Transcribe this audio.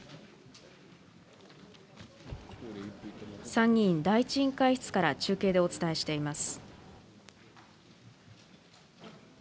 参議院第１委員会室から中継でお伝えしています。